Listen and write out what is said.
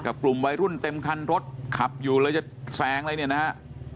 กลุ่มวัยรุ่นเต็มคันรถขับอยู่เลยจะแซงอะไรเนี่ยนะฮะ